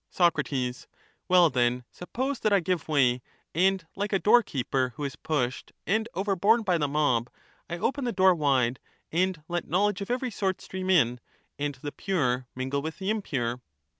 Soc, Well, then, suppose that I give way, and, like a doorkeeper who is pushed and overborne by the mob, I open the door wide, and let knowledge of every sort stream in, and the pure mingle with the impure